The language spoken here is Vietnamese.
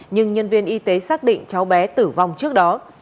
nhưng nhân viên y tế xác định cháu bé tử vong trước đó